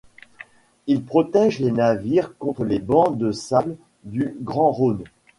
Il protège les navires contre les bancs de sable du Grand-Rhône.